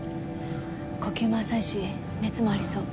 呼吸も浅いし熱もありそう。